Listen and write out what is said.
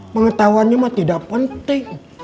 pengetahuannya mah tidak penting